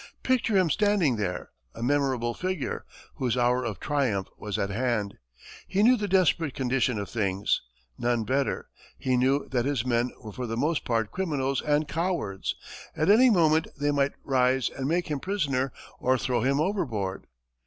Picture him standing there, a memorable figure, whose hour of triumph was at hand. He knew the desperate condition of things none better; he knew that his men were for the most part criminals and cowards; at any moment they might rise and make him prisoner or throw him overboard.